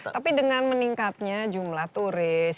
tapi dengan meningkatnya jumlah turis